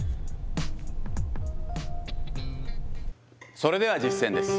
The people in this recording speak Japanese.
それでは実践です。